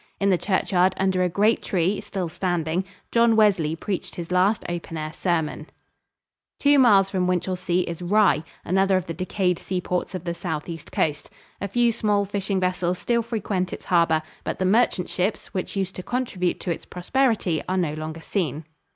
In the churchyard, under a great tree, still standing, John Wesley preached his last open air sermon. [Illustration: WINCHELSEA CHURCH AND ELM TREE.] Two miles from Winchelsea is Rye, another of the decayed seaports of the southeast coast. A few small fishing vessels still frequent its harbor, but the merchant ships, which used to contribute to its prosperity, are no longer seen.